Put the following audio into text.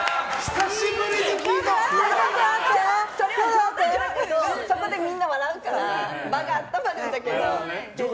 分かっているけどそこでみんな笑うから場が温まるんだけど。